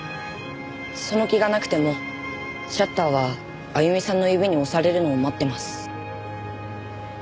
その気がなくてもシャッターはあゆみさんの指に押されるのを待ってます。